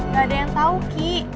gak ada yang tahu ki